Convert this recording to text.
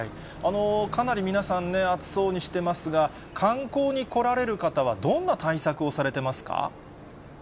かなり皆さんね、暑そうにしてますが、観光に来られる方はどんな対策をされてます